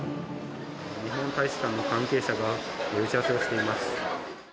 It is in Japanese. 日本大使館の関係者が打ち合わせをしています。